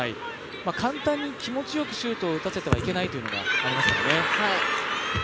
簡単に気持ちよくシュートを打たせてはいけないというのがありますからね。